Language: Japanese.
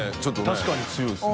確かに強いですね。